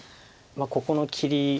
ここの切り。